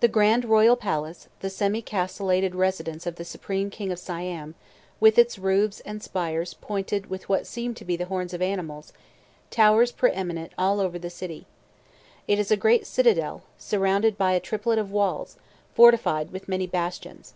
The Grand Royal Palace, the semi castellated residence of the Supreme King of Siam, with its roofs and spires pointed with what seem to be the horns of animals, towers pre eminent over all the city. It is a great citadel, surrounded by a triplet of walls, fortified with many bastions.